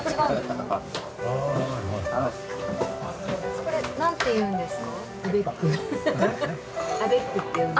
これ何ていうんですか？